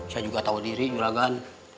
saya juga tau diri juragan